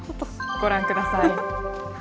ご覧ください。